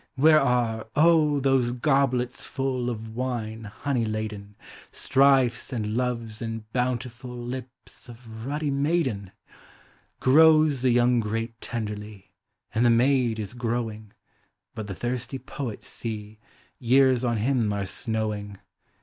Where are, oh! those goblets full Of wine honey laden. Strifes and loves and bountiful Lips of ruddy maiden? Grows the young grape tenderly, And the maid is growing; But the thirsty poet, see. Years on him are snowing!